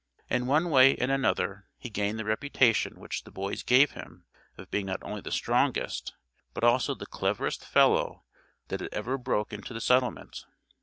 In one way and another he gained the reputation which the boys gave him of being not only the strongest, but also "the cleverest fellow that had ever broke into the settlement."